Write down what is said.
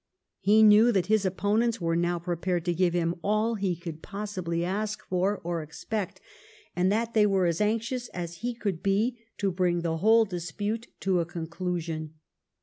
He knew that his opponents were now prepared to give him all he could possibly ask for or expect, and that they were as anxious as he could be to bring the whole dispute to a conclusion.